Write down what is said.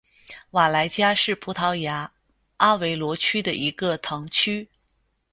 瓦莱加是葡萄牙阿威罗区的一个堂区。